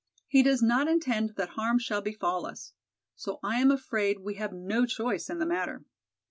He does not intend that harm shall befall us. So I am afraid we have no choice in the matter.